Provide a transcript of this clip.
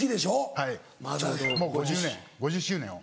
はいもう５０年５０周年を。